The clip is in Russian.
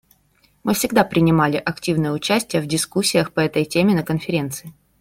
Мы всегда принимали активное участие в дискуссиях по этой теме на Конференции.